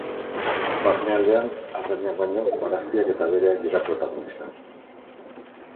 Barnealdean, arrainak baino, barazkiak eta abereak dira protagonista.